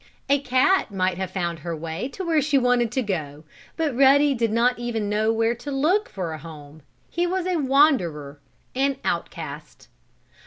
A cat might have found her way to where she wanted to go, but Ruddy did not even know where to look for a home. He was a wanderer an outcast.